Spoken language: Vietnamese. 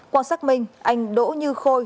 quang sắc minh anh đỗ như khôi